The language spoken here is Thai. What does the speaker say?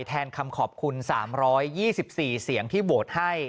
แทนคำขอบคุณ๓๒๔เสียงที่โหวตให้